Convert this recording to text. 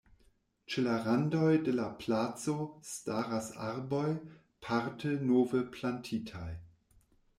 Ĉe la randoj de la placo staras arboj, parte nove plantitaj.